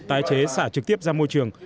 tái chế xả trực tiếp ra môi trường